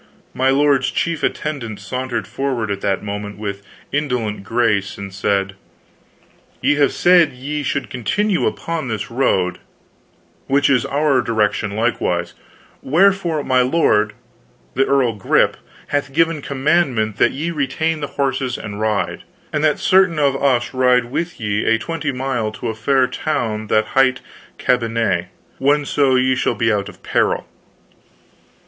My lord's chief attendant sauntered forward at that moment with indolent grace, and said: "Ye have said ye should continue upon this road, which is our direction likewise; wherefore my lord, the earl Grip, hath given commandment that ye retain the horses and ride, and that certain of us ride with ye a twenty mile to a fair town that hight Cambenet, whenso ye shall be out of peril."